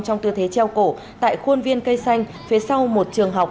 trong tư thế treo cổ tại khuôn viên cây xanh phía sau một trường học